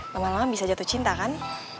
malah malah bisa jatuh cinta kan